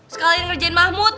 sekalian ngerjain mahmud